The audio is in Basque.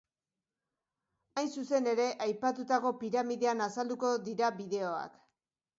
Hain zuzen ere, aipatutako piramidean azalduko dira bideoak.